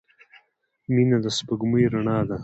• مینه د سپوږمۍ رڼا ده.